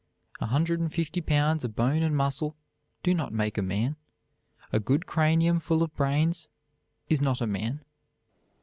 A hundred and fifty pounds of bone and muscle do not make a man. A good cranium full of brains is not a man.